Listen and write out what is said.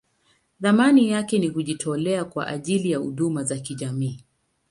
Thamani yake ni kujitolea kwa ajili ya huduma za kijamii.